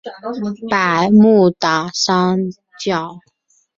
百慕达三角。